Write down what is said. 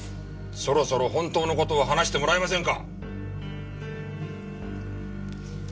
そろそろ本当の事を話してもらえませんか？